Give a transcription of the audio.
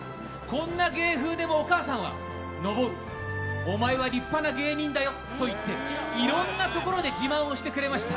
こんな芸風でもお母さんは昇、お前は立派な芸人だよと言っていろんなところで自慢をしてくれました。